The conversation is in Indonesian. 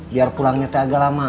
biar pulangnya teh agak lamaan